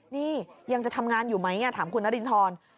นี่ยังจะทำงานอยู่ไหมถามคุณนารินทร